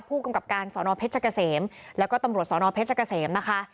ผู้กำกับการสอนอเพชรเกษมแล้วก็ตำรวจสนเพชรเกษมนะคะ